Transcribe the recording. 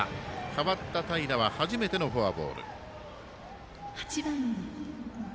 代わった平は初めてのフォアボール。